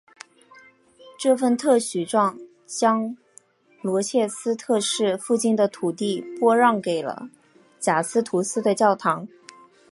这份特许状将罗切斯特市附近的土地拨让给了贾斯图斯的教堂。